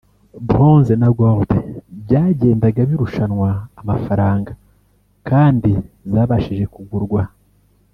Blonze na Gold byagendaga birushanwa amafaranga kandi zabashije kugurwa